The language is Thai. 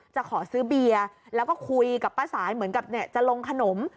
จะขอซื้อเบียร์แล้วก็คุยกับป้าสายเหมือนกับจะลงขนม